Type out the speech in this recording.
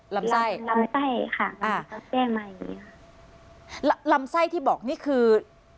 ลำไส้ลำไส้ค่ะอ่าเขาแก้มาอย่างงี้ค่ะลำไส้ที่บอกนี่คือ